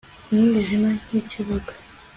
Umwijima nkikibuga